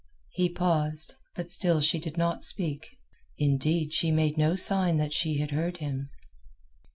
He paused, but still she did not speak; indeed, she made no sign that she had heard him.